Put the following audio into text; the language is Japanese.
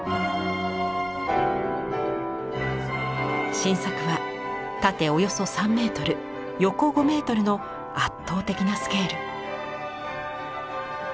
新作は縦およそ３メートル横５メートルの圧倒的なスケール。